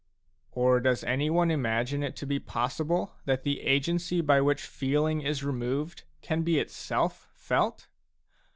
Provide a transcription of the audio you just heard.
Or does anyone imagine it to be possible that the agency by which feeling is removed can be itself felt